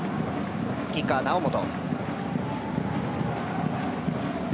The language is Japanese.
キッカーは猶本。